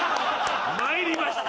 参りました。